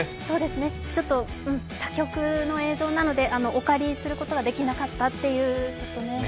ちょっとうん、他局の映像なのでお借りすることができなかったという、はい。